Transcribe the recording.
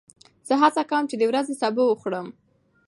زه هڅه کوم چې د ورځې سبو وخورم.